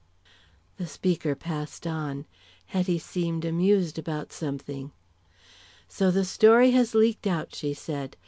The speaker passed on. Hetty seemed amused about something. "So the story has leaked out," she said.